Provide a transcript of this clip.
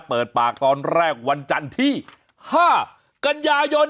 เปิดปากตอนแรกวันจันทร์ที่๕กันยายน